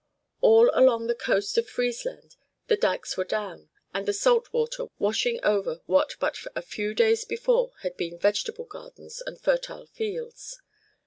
All along the coast of Friesland the dikes were down, and the salt water washing over what but a few days before had been vegetable gardens and fertile fields.